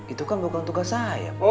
itu kan bukan tugas saya